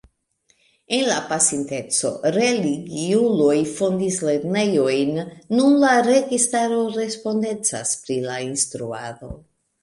En la pasinteco religiuloj fondis lernejojn; nun la registaro respondecas pri la instruado.